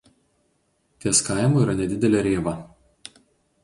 Ties kaimu yra nedidelė rėva.